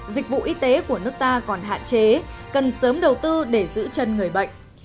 dịch vụ y tế của nước ta còn hạn chế cần sớm đầu tư để giữ chân người bệnh